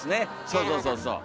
そうそうそうそう。